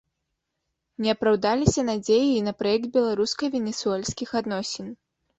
Не апраўдаліся надзеі і на праект беларуска-венесуэльскіх адносін.